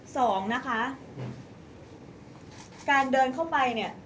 สองนะคะการเดินเข้าไปเนี่ย